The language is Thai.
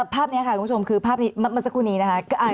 ภาพนี้ค่ะคุณผู้ชมคือภาพนี้เมื่อสักครู่นี้นะคะ